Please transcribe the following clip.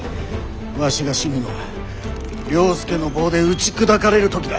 わしが死ぬのは了助の棒で打ち砕かれる時だ。